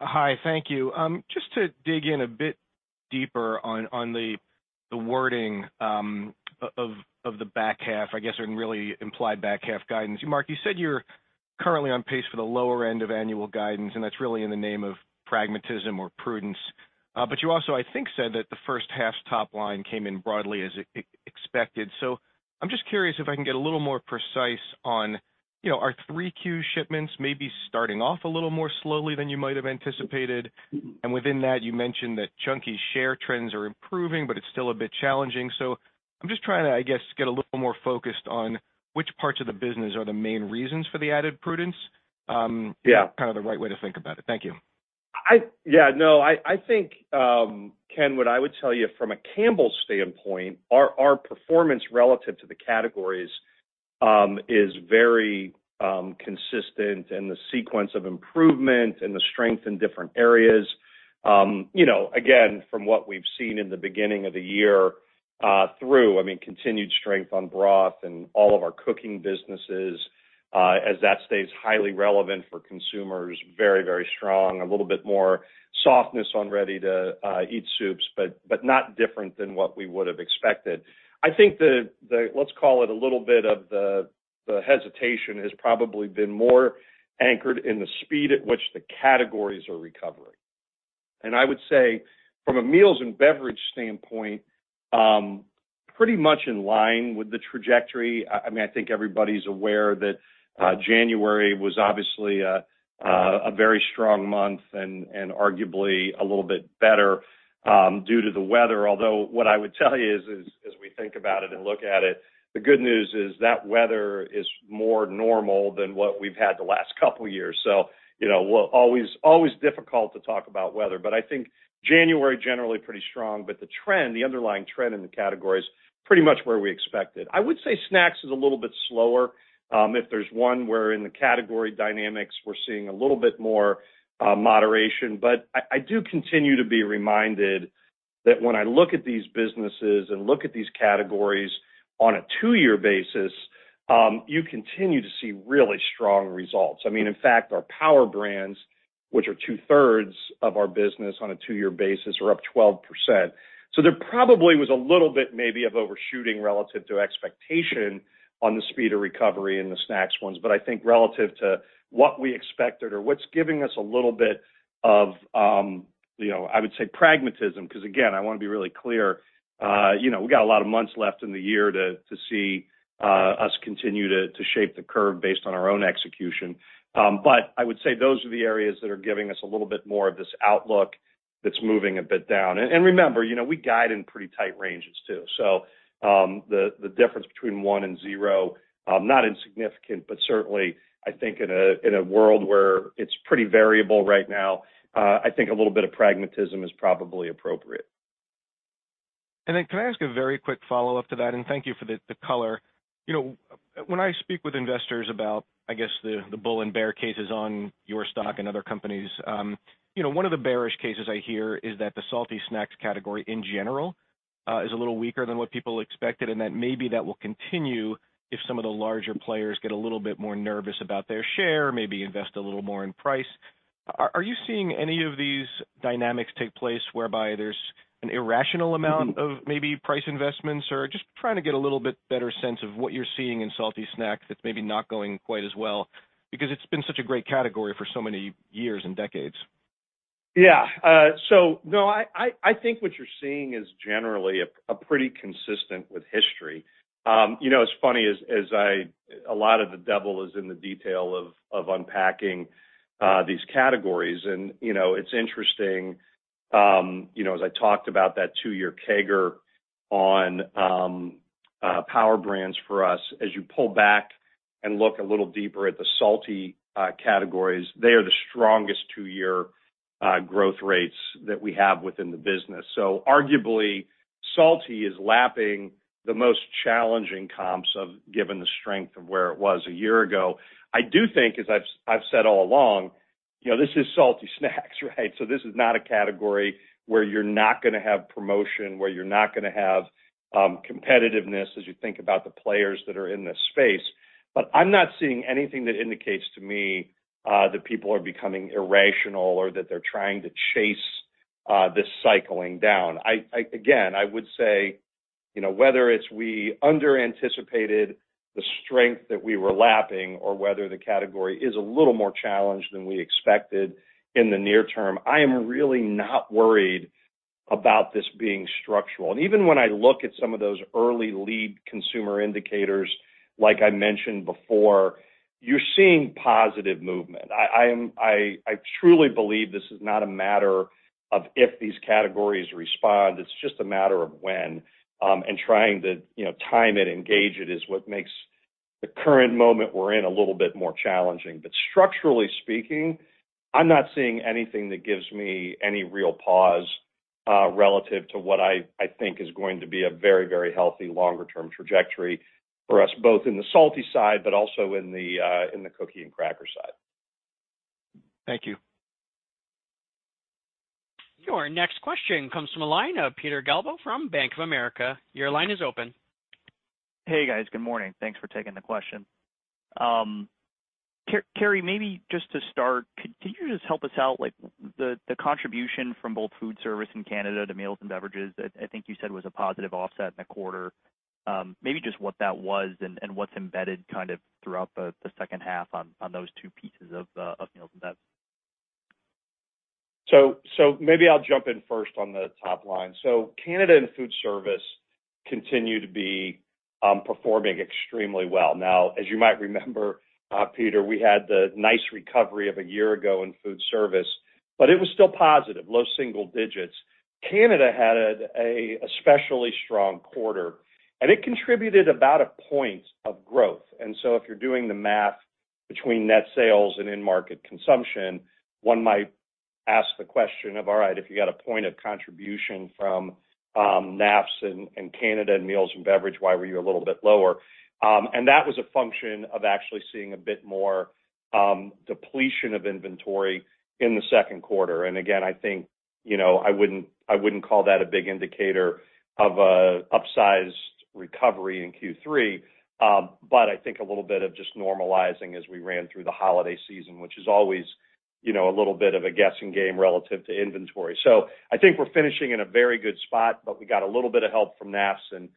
S6: Hi. Thank you. Just to dig in a bit deeper on the wording of the back half, I guess, and really implied back half guidance. Mark, you said you're currently on pace for the lower end of annual guidance, and that's really in the name of pragmatism or prudence. But you also, I think, said that the first half's top line came in broadly as expected. So I'm just curious if I can get a little more precise on are Q3 shipments maybe starting off a little more slowly than you might have anticipated? And within that, you mentioned that Chunky share trends are improving, but it's still a bit challenging. So I'm just trying to, I guess, get a little more focused on which parts of the business are the main reasons for the added prudence, kind of the right way to think about it. Thank you.
S3: Yeah. No. I think, Ken, what I would tell you from a Campbell's standpoint, our performance relative to the categories is very consistent, and the sequence of improvement and the strength in different areas. Again, from what we've seen in the beginning of the year through, I mean, continued strength on broth and all of our cooking businesses, as that stays highly relevant for consumers, very, very strong, a little bit more softness on ready-to-eat soups, but not different than what we would have expected. I think the, let's call it, a little bit of the hesitation has probably been more anchored in the speed at which the categories are recovering. And I would say, from a Meals & Beverage standpoint, pretty much in line with the trajectory. I mean, I think everybody's aware that January was obviously a very strong month and arguably a little bit better due to the weather. Although what I would tell you is, as we think about it and look at it, the good news is that weather is more normal than what we've had the last couple of years. So always difficult to talk about weather. But I think January, generally, pretty strong, but the underlying trend in the category is pretty much where we expected. I would say snacks is a little bit slower. If there's one, where in the category dynamics, we're seeing a little bit more moderation. But I do continue to be reminded that when I look at these businesses and look at these categories on a two-year basis, you continue to see really strong results. I mean, in fact, our Power Brands, which are two-thirds of our business on a two-year basis, are up 12%. So there probably was a little bit maybe of overshooting relative to expectation on the speed of recovery in the snacks ones. But I think relative to what we expected or what's giving us a little bit of, I would say, pragmatism because, again, I want to be really clear, we've got a lot of months left in the year to see us continue to shape the curve based on our own execution. But I would say those are the areas that are giving us a little bit more of this outlook that's moving a bit down. And remember, we guide in pretty tight ranges too. So the difference between one and zero, not insignificant, but certainly, I think, in a world where it's pretty variable right now, I think a little bit of pragmatism is probably appropriate.
S6: And then can I ask a very quick follow-up to that? Thank you for the color. When I speak with investors about, I guess, the bull and bear cases on your stock and other companies, one of the bearish cases I hear is that the salty snacks category, in general, is a little weaker than what people expected, and that maybe that will continue if some of the larger players get a little bit more nervous about their share, maybe invest a little more in price. Are you seeing any of these dynamics take place whereby there's an irrational amount of maybe price investments or just trying to get a little bit better sense of what you're seeing in salty snacks that's maybe not going quite as well? Because it's been such a great category for so many years and decades.
S3: Yeah. So no, I think what you're seeing is generally pretty consistent with history. It's funny, as a lot of the devil is in the detail of unpacking these categories. It's interesting, as I talked about that 2-year CAGR on Power Brands for us, as you pull back and look a little deeper at the salty categories, they are the strongest 2-year growth rates that we have within the business. So arguably, salty is lapping the most challenging comps given the strength of where it was a year ago. I do think, as I've said all along, this is salty snacks, right? So this is not a category where you're not going to have promotion, where you're not going to have competitiveness as you think about the players that are in this space. But I'm not seeing anything that indicates to me that people are becoming irrational or that they're trying to chase this cycling down. Again, I would say whether it's we under-anticipated the strength that we were lapping or whether the category is a little more challenged than we expected in the near term, I am really not worried about this being structural. Even when I look at some of those early lead consumer indicators, like I mentioned before, you're seeing positive movement. I truly believe this is not a matter of if these categories respond. It's just a matter of when. Trying to time it, engage it, is what makes the current moment we're in a little bit more challenging. But structurally speaking, I'm not seeing anything that gives me any real pause relative to what I think is going to be a very, very healthy longer-term trajectory for us, both in the salty side but also in the cookie and cracker side.
S6: Thank you.
S1: Your next question comes from the line of Peter Galbo from Bank of America. Your line is open.
S7: Hey, guys. Good morning. Thanks for taking the question. Carrie, maybe just to start, can you just help us out? The contribution from both Foodservice and Canada to Meals & Beverages, I think you said was a positive offset in the quarter. Maybe just what that was and what's embedded kind of throughout the second half on those two pieces of Meals & Beverages.
S3: So maybe I'll jump in first on the top line. So Canada and Foodservice continue to be performing extremely well. Now, as you might remember, Peter, we had the nice recovery of a year ago in Foodservice, but it was still positive, low single digits. Canada had a especially strong quarter, and it contributed about a point of growth. So if you're doing the math between net sales and in-market consumption, one might ask the question of, "All right, if you got a point of contribution from NAFS and Canada and Meals & Beverage, why were you a little bit lower?" And that was a function of actually seeing a bit more depletion of inventory in the second quarter. And again, I think I wouldn't call that a big indicator of an upsized recovery in Q3, but I think a little bit of just normalizing as we ran through the holiday season, which is always a little bit of a guessing game relative to inventory. So I think we're finishing in a very good spot, but we got a little bit of help from NAFS and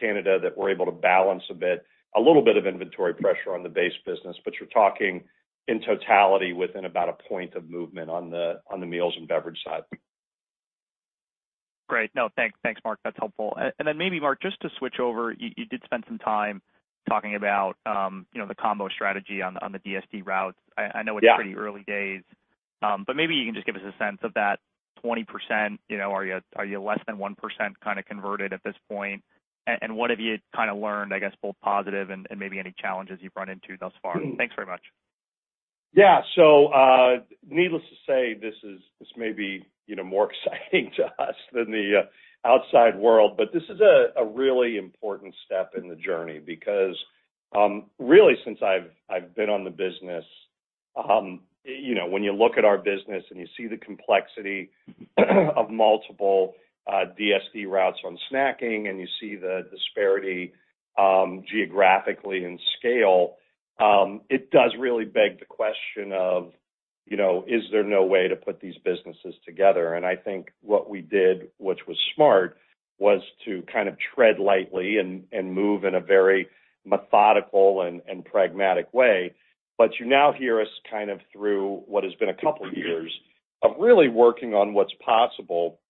S3: Canada that we're able to balance a bit, a little bit of inventory pressure on the base business. But you're talking in totality within about a point of movement on the Meals & Beverage side.
S7: Great. No, thanks. Thanks, Mark. That's helpful. And then maybe, Mark, just to switch over, you did spend some time talking about the combo strategy on the DSD routes. I know it's pretty early days, but maybe you can just give us a sense of that 20%, are you less than 1% kind of converted at this point? And what have you kind of learned, I guess, both positive and maybe any challenges you've run into thus far? Thanks very much.
S3: Yeah. So needless to say, this may be more exciting to us than the outside world, but this is a really important step in the journey because, really, since I've been on the business, when you look at our business and you see the complexity of multiple DSD routes on snacking and you see the disparity geographically in scale, it does really beg the question of, "Is there no way to put these businesses together?" And I think what we did, which was smart, was to kind of tread lightly and move in a very methodical and pragmatic way. But you now hear us kind of through what has been a couple of years of really working on what's possible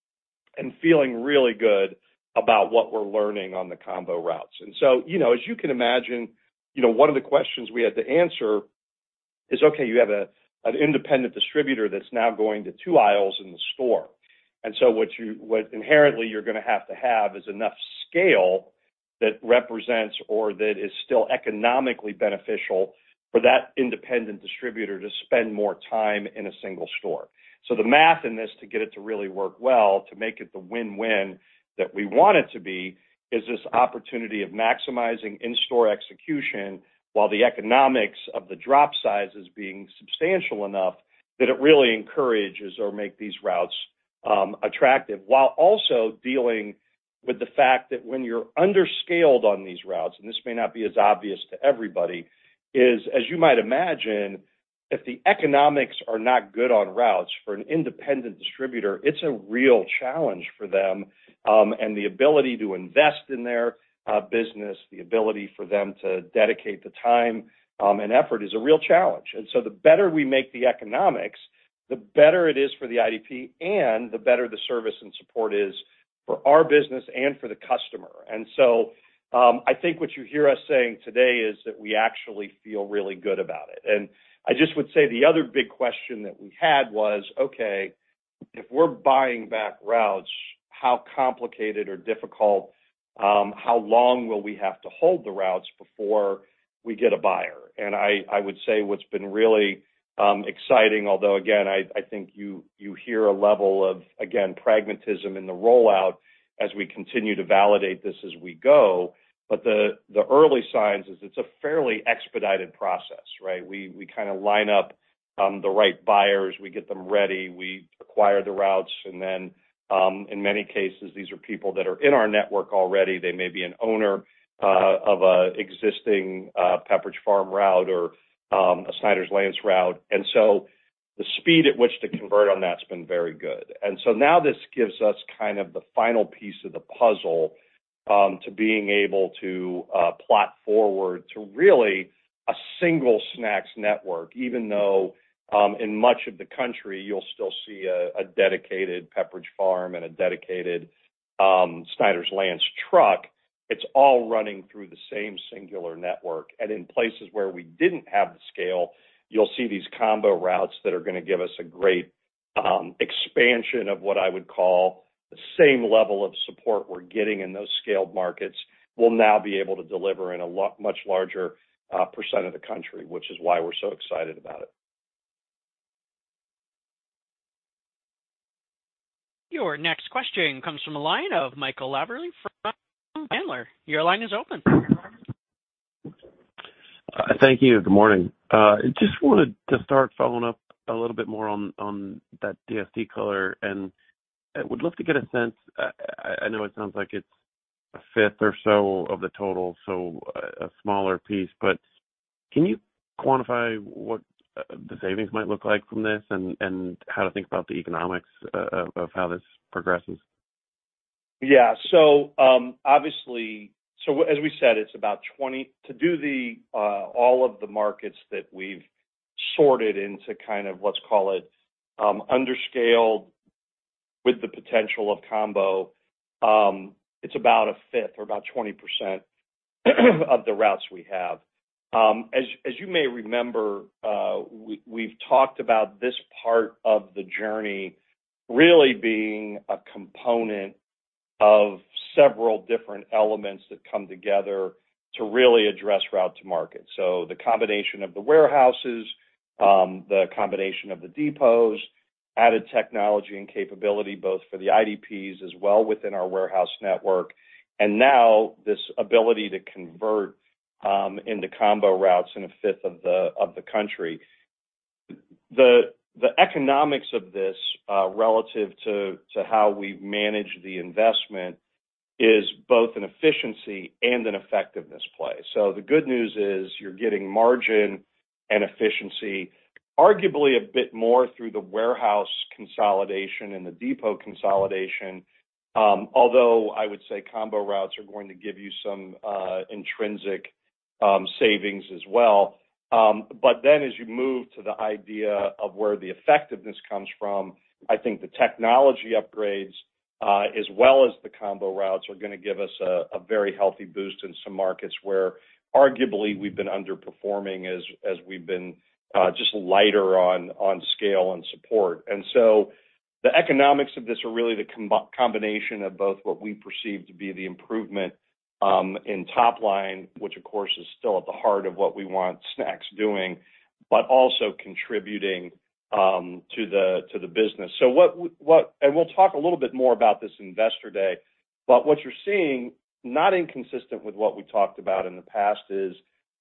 S3: and feeling really good about what we're learning on the combo routes. As you can imagine, one of the questions we had to answer is, "Okay, you have an independent distributor that's now going to two aisles in the store. And so what inherently you're going to have to have is enough scale that represents or that is still economically beneficial for that independent distributor to spend more time in a single store. So the math in this to get it to really work well, to make it the win-win that we want it to be, is this opportunity of maximizing in-store execution while the economics of the drop size is being substantial enough that it really encourages or makes these routes attractive while also dealing with the fact that when you're underscaled on these routes - and this may not be as obvious to everybody - is, as you might imagine, if the economics are not good on routes for an independent distributor, it's a real challenge for them. And the ability to invest in their business, the ability for them to dedicate the time and effort, is a real challenge. And so the better we make the economics, the better it is for the IDP, and the better the service and support is for our business and for the customer. And so I think what you hear us saying today is that we actually feel really good about it. And I just would say the other big question that we had was, "Okay, if we're buying back routes, how complicated or difficult? How long will we have to hold the routes before we get a buyer?" And I would say what's been really exciting, although, again, I think you hear a level of, again, pragmatism in the rollout as we continue to validate this as we go. But the early signs is it's a fairly expedited process, right? We kind of line up the right buyers. We get them ready. We acquire the routes. And then, in many cases, these are people that are in our network already. They may be an owner of an existing Pepperidge Farm route or a Snyder's-Lance route. And so the speed at which to convert on that's been very good. And so now this gives us kind of the final piece of the puzzle to being able to plot forward to really a single snacks network, even though in much of the country, you'll still see a dedicated Pepperidge Farm and a dedicated Snyder's-Lance truck. It's all running through the same singular network. In places where we didn't have the scale, you'll see these combo routes that are going to give us a great expansion of what I would call the same level of support we're getting in those scaled markets will now be able to deliver in a much larger percent of the country, which is why we're so excited about it.
S1: Your next question comes from the line of Michael Lavery from Piper Sandler. Your line is open.
S8: Thank you. Good morning. Just wanted to start following up a little bit more on that DSD color. And I would love to get a sense. I know it sounds like it's a fifth or so of the total, so a smaller piece. But can you quantify what the savings might look like from this and how to think about the economics of how this progresses?
S3: Yeah. So obviously, so as we said, it's about 20 to do all of the markets that we've sorted into kind of, let's call it, underscaled with the potential of combo, it's about a fifth or about 20% of the routes we have. As you may remember, we've talked about this part of the journey really being a component of several different elements that come together to really address route-to-market. So the combination of the warehouses, the combination of the depots, added technology and capability both for the IDPs as well within our warehouse network, and now this ability to convert into combo routes in a fifth of the country. The economics of this relative to how we manage the investment is both an efficiency and an effectiveness play. So the good news is you're getting margin and efficiency, arguably a bit more through the warehouse consolidation and the depot consolidation, although I would say combo routes are going to give you some intrinsic savings as well. But then as you move to the idea of where the effectiveness comes from, I think the technology upgrades as well as the combo routes are going to give us a very healthy boost in some markets where, arguably, we've been underperforming as we've been just lighter on scale and support. And so the economics of this are really the combination of both what we perceive to be the improvement in top line, which, of course, is still at the heart of what we want snacks doing, but also contributing to the business. And we'll talk a little bit more about this Investor Day. But what you're seeing, not inconsistent with what we talked about in the past, is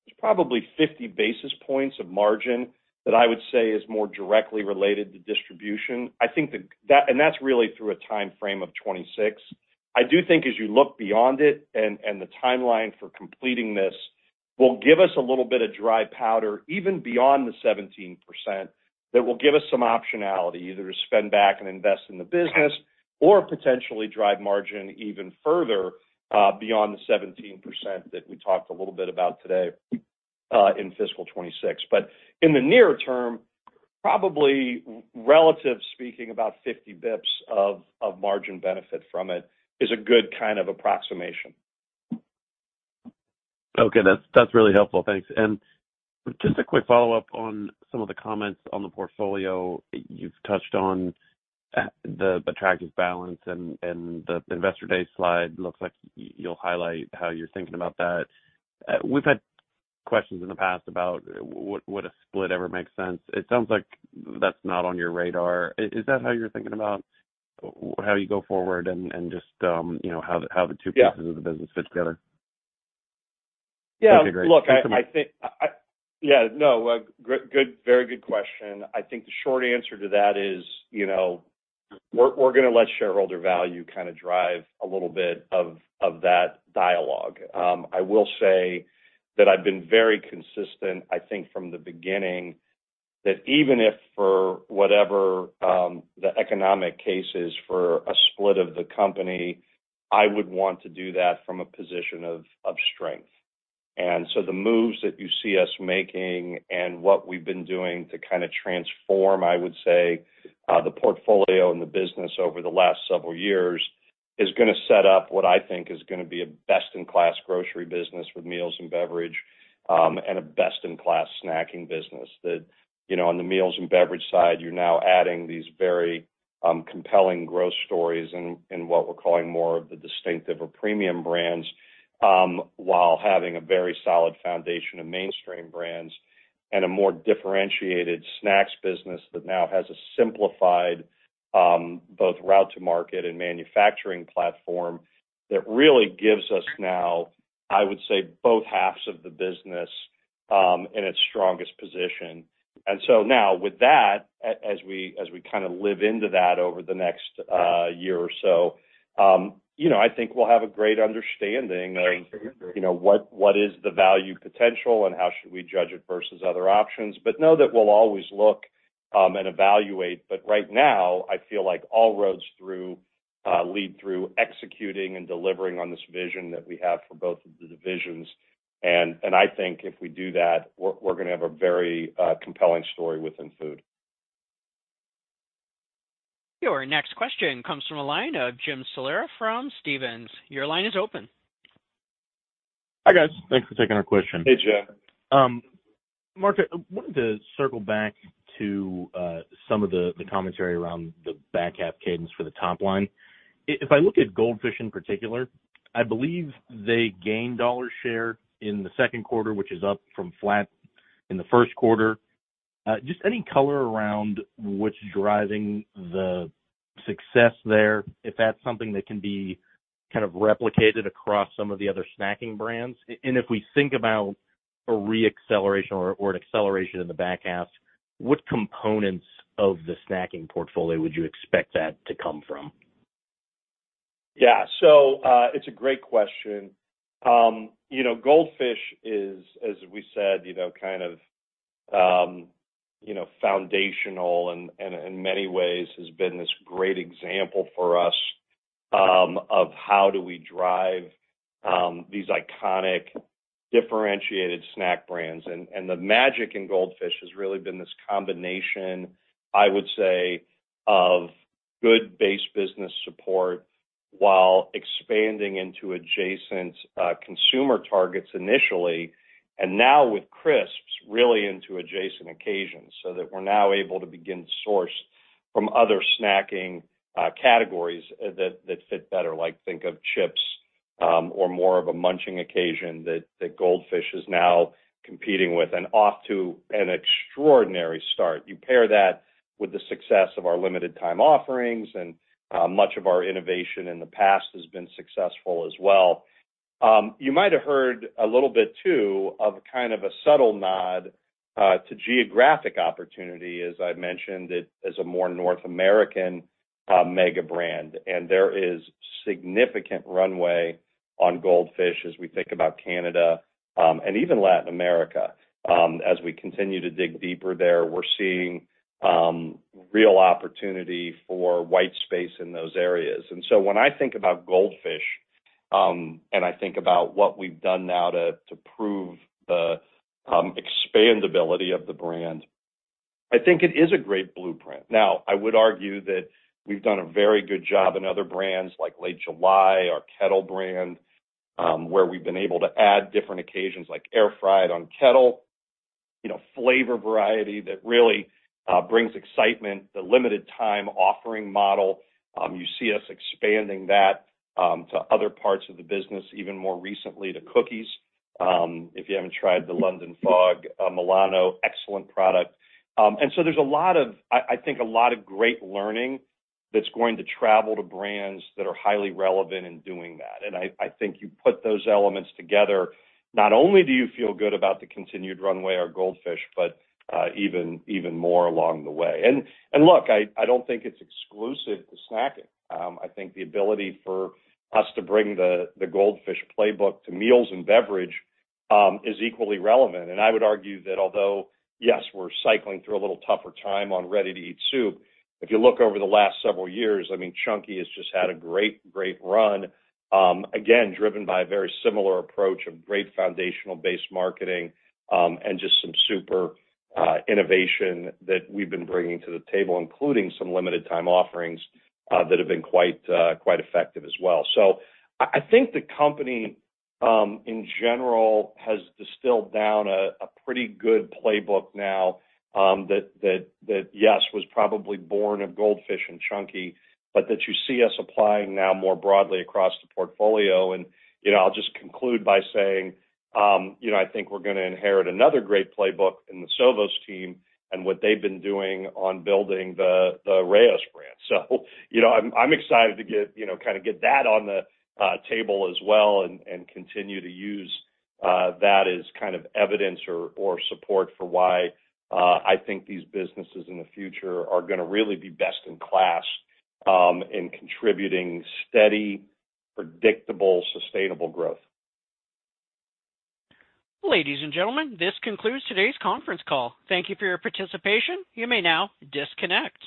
S3: there's probably 50 basis points of margin that I would say is more directly related to distribution. I think that and that's really through a time frame of 2026. I do think as you look beyond it and the timeline for completing this, we'll give us a little bit of dry powder even beyond the 17% that will give us some optionality, either to spend back and invest in the business or potentially drive margin even further beyond the 17% that we talked a little bit about today in fiscal 2026. But in the near term, probably, relatively speaking, about 50 basis points of margin benefit from it is a good kind of approximation.
S8: Okay. That's really helpful. Thanks. And just a quick follow-up on some of the comments on the portfolio. You've touched on the attractive balance, and the Investor Day slide looks like you'll highlight how you're thinking about that. We've had questions in the past about would a split ever make sense? It sounds like that's not on your radar. Is that how you're thinking about how you go forward and just how the two pieces of the business fit together?
S3: Yeah. Yeah. Look, I think yeah. No, very good question. I think the short answer to that is we're going to let shareholder value kind of drive a little bit of that dialogue. I will say that I've been very consistent, I think, from the beginning that even if for whatever the economic case is for a split of the company, I would want to do that from a position of strength. The moves that you see us making and what we've been doing to kind of transform, I would say, the portfolio and the business over the last several years is going to set up what I think is going to be a best-in-class grocery business with Meals & Beverage and a best-in-class snacking business. That on the Meals & Beverage side, you're now adding these very compelling growth stories in what we're calling more of the distinctive or premium brands while having a very solid foundation of mainstream brands and a more differentiated Snacks business that now has a simplified both route-to-market and manufacturing platform that really gives us now, I would say, both halves of the business in its strongest position. And so now with that, as we kind of live into that over the next year or so, I think we'll have a great understanding of what is the value potential and how should we judge it versus other options. But know that we'll always look and evaluate. But right now, I feel like all roads lead through executing and delivering on this vision that we have for both of the divisions. And I think if we do that, we're going to have a very compelling story within food.
S1: Your next question comes from the line of Jim Salera from Stephens. Your line is open.
S9: Hi, guys. Thanks for taking our question.
S3: Hey, Jim.
S9: Mark, I wanted to circle back to some of the commentary around the back half cadence for the top line. If I look at Goldfish in particular, I believe they gained dollar share in the second quarter, which is up from flat in the first quarter. Just any color around what's driving the success there, if that's something that can be kind of replicated across some of the other snacking brands? And if we think about a reacceleration or an acceleration in the back half, what components of the snacking portfolio would you expect that to come from?
S3: Yeah. So it's a great question. Goldfish is, as we said, kind of foundational and in many ways has been this great example for us of how do we drive these iconic differentiated snack brands. And the magic in Goldfish has really been this combination, I would say, of good base business support while expanding into adjacent consumer targets initially and now with Crisps really into adjacent occasions so that we're now able to begin to source from other snacking categories that fit better. Think of chips or more of a munching occasion that Goldfish is now competing with and off to an extraordinary start. You pair that with the success of our limited-time offerings, and much of our innovation in the past has been successful as well. You might have heard a little bit too of kind of a subtle nod to geographic opportunity, as I mentioned, as a more North American mega brand. And there is significant runway on Goldfish as we think about Canada and even Latin America. As we continue to dig deeper there, we're seeing real opportunity for white space in those areas. And so when I think about Goldfish and I think about what we've done now to prove the expandability of the brand, I think it is a great blueprint. Now, I would argue that we've done a very good job in other brands like Late July or Kettle Brand where we've been able to add different occasions like air fried on Kettle, flavor variety that really brings excitement, the limited-time offering model. You see us expanding that to other parts of the business, even more recently to cookies. If you haven't tried the London Fog Milano, excellent product. And so there's a lot of I think a lot of great learning that's going to travel to brands that are highly relevant in doing that. I think you put those elements together, not only do you feel good about the continued runway of Goldfish, but even more along the way. Look, I don't think it's exclusive to snacking. I think the ability for us to bring the Goldfish playbook to Meals & Beverage is equally relevant. I would argue that although, yes, we're cycling through a little tougher time on ready-to-eat soup, if you look over the last several years, I mean, Chunky has just had a great, great run, again, driven by a very similar approach of great foundational base marketing and just some super innovation that we've been bringing to the table, including some limited-time offerings that have been quite effective as well. So I think the company, in general, has distilled down a pretty good playbook now that, yes, was probably born of Goldfish and Chunky, but that you see us applying now more broadly across the portfolio. And I'll just conclude by saying I think we're going to inherit another great playbook in the Sovos team and what they've been doing on building the Rao's brand. So I'm excited to kind of get that on the table as well and continue to use that as kind of evidence or support for why I think these businesses in the future are going to really be best in class in contributing steady, predictable, sustainable growth.
S1: Ladies and gentlemen, this concludes today's conference call. Thank you for your participation. You may now disconnect.